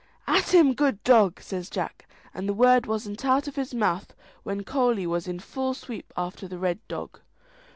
"At him, good dog!" says Jack, and the word wasn't out of his mouth when Coley was in full sweep after the Red Dog.